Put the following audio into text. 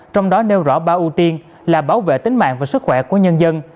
trong đó nêu rõ ba ưu tiên là bảo vệ tính mạng và sức khỏe của nhân dân